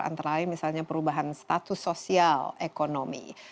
antara lain misalnya perubahan status sosial ekonomi